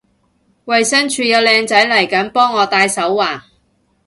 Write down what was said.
衛生署有靚仔嚟緊幫我戴手環